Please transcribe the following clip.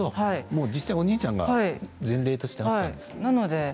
実際、お兄ちゃんが前例としてあったんですね。